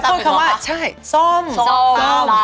พูดคำว่าซ่อมสงคราม